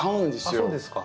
あっそうですか。